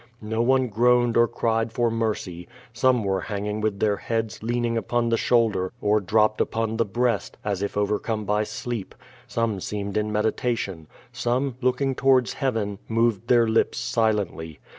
No one groaned or cried for mercy. Some were hanging with their heads leaning upon the shoul der, or dropped upon the breast, as if overcome by sleep; |f some seemed in meditation; some, looking towards heaven, moved their lii)s silently.